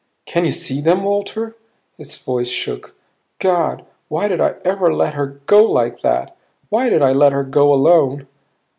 "Can you see them, Walter?" His voice shook. "God why did I ever let her go like that? Why did I let her go alone?"